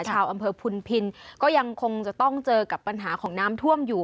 ชาวอำเภอพุนพินก็ยังคงจะต้องเจอกับปัญหาของน้ำท่วมอยู่